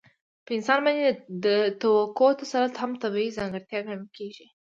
په انسان باندې د توکو تسلط هم طبیعي ځانګړتیا ګڼل کېږي